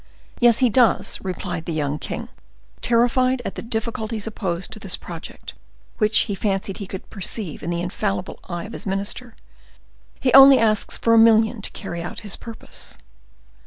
"Yes, he does," replied the young king, terrified at the difficulties opposed to this project, which he fancied he could perceive in the infallible eye of his minister; "he only asks for a million to carry out his purpose."